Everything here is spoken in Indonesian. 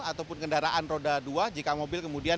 ataupun kendaraan roda dua jika mobil kemudian